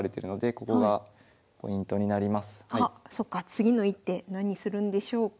次の一手何するんでしょうか。